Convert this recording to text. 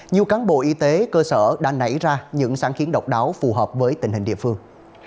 nhiều cán bộ y tế cơ sở đã nảy ra những sáng kiến độc đáo phù hợp với tình hình địa phương